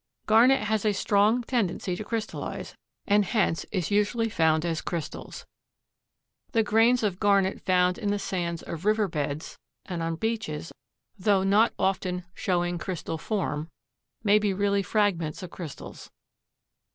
Garnet has a strong tendency to crystallize, and hence is usually found as crystals. The grains of garnet found in the sands of river beds and on beaches, though not often showing crystal form, may be really fragments of crystals.